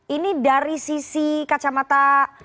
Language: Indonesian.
ini dari sisi kacamata